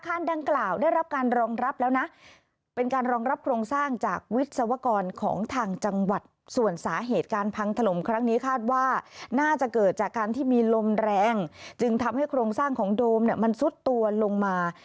ดังกล่าวได้รับการรองรับแล้วนะเป็นการรองรับโครงสร้างจากวิศวกรของทางจังหวัดส่วนสาเหตุการพังถล่มครั้งนี้คาดว่าน่าจะเกิดจากการที่มีลมแรงจึงทำให้โครงสร้างของโดมเนี่ยมันซุดตัวลงมา